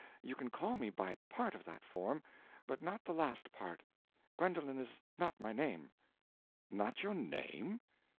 You can call me by part of that form, but not the last part. Gwendolen is not my name." "Not your name?"